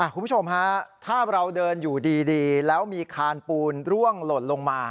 คุณผู้ชมฮะถ้าเราเดินอยู่ดีแล้วมีคานปูนร่วงหล่นลงมา